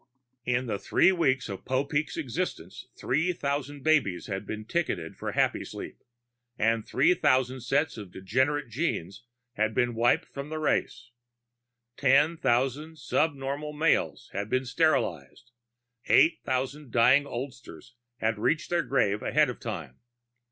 In the six weeks of Popeek's existence, three thousand babies had been ticketed for Happysleep, and three thousand sets of degenerate genes had been wiped from the race. Ten thousand subnormal males had been sterilized. Eight thousand dying oldsters had reached their graves ahead of time.